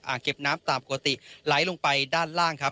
เก็บน้ำตามปกติไหลลงไปด้านล่างครับ